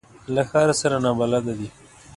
له ښار سره نابلده دي.